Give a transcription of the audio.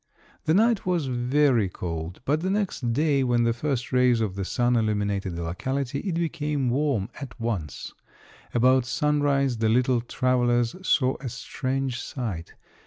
The night was very cold, but the next day, when the first rays of the sun illuminated the locality, it became warm at once. About sunrise the little travelers saw a strange sight.